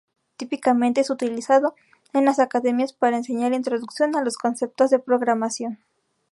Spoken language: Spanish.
Típicamente es utilizado en las academias para enseñar introducción a los conceptos de programación.